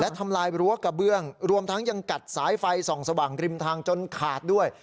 ทำลายรั้วกระเบื้องรวมทั้งยังกัดสายไฟส่องสว่างริมทางจนขาดด้วย